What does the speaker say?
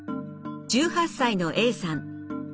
１８歳のＡさん。